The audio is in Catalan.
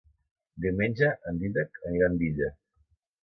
Diumenge en Dídac anirà a Andilla.